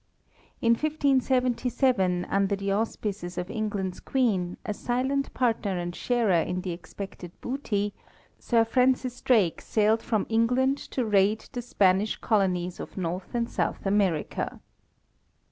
In 1577, under the auspices of England's queen, a silent partner and sharer in the expected booty, Sir Francis Drake sailed from England to raid the Spanish colonies of North and South America.